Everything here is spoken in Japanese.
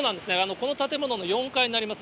この建物の４階になります。